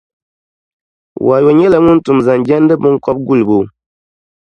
Wayo nyɛla ŋun tum zaŋ jɛndi binkɔb' gulibo.